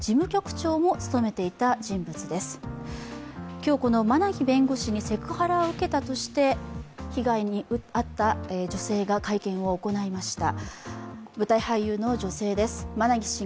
今日、この馬奈木弁護士にセクハラを受けたとして被害に遭った女性が会見を行いました。